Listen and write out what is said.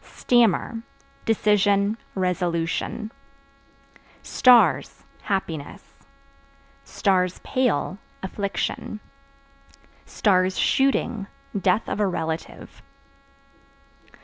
Stammer Decision, resolution. Stars Happiness; (pale) affliction; (shooting) death of relative.